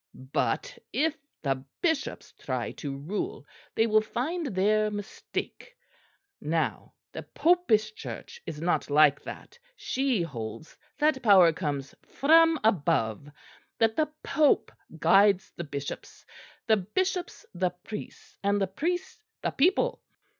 But if the bishops try to rule they will find their mistake. Now the Popish Church is not like that; she holds that power comes from above, that the Pope guides the bishops, the bishops the priests, and the priests the people."